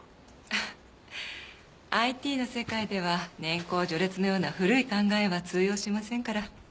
あっＩＴの世界では年功序列のような古い考えは通用しませんから。